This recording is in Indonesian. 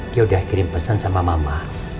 dia udah kirim pesan sama mama